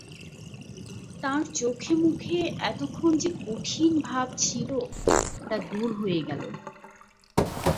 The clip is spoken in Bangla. তাঁর চোখে-মুখে এতক্ষণ যে কঠিন ভাব ছিল তা দূর হয়ে গেল।